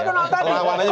ya ketentuan tadi